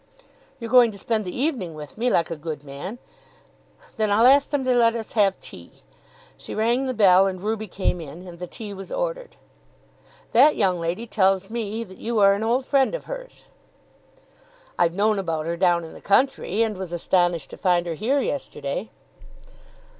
"You're going to spend the evening with me like a good man? Then I'll ask them to let us have tea." She rang the bell and Ruby came in, and the tea was ordered. "That young lady tells me that you are an old friend of hers." "I've known about her down in the country, and was astonished to find her here yesterday."